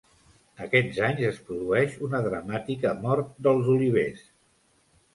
Aquests anys es produeix una dramàtica mort dels olivers.